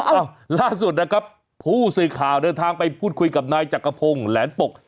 เอ้าล่าสุดนะครับผู้สื่อข่าวเดินทางไปพูดคุยกับนายจักรพงศ์แหลนปก